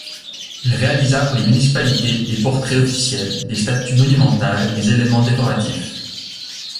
Il réalisa pour les municipalités des portraits officiels, des statues monumentales, des éléments décoratifs.